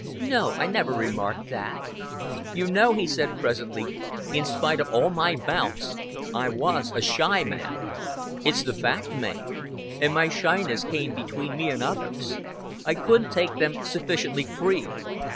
"No, I never remarked that." "You know," he said presently, "in spite of all my bounce, I was a shy man. "It's the fact, Mav. And my shyness came between me and others. I couldn't take them sufficiently free.